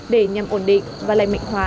để nhằm ổn định và lành mạnh hóa